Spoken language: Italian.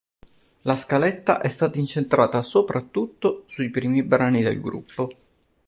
La scaletta è stata incentrata soprattutto sui primi brani del gruppo.